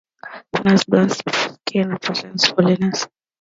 Vishnu's black skin represents holiness.